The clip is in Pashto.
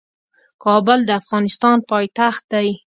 کابل د افغانستان پايتخت دی.